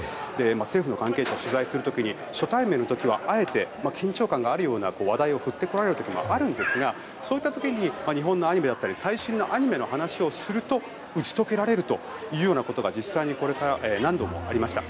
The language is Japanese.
政府の関係者を取材している時に初対面の時はあえて緊張感があるような話題を振ってこられることもあるんですがそういった時に日本のアニメ最新のアニメの話をすると打ち解けられるということが実際に何度もありました。